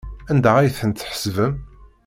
Anda ay tent-tḥesbem?